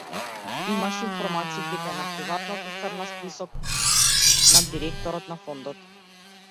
Имаше информации дека е на приватната црна список на директорот на фондот.